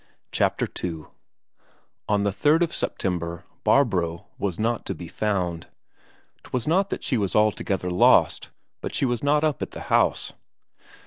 Chapter II On the 3rd of September Barbro was not to be found. 'Twas not that she was altogether lost, but she was not up at the house.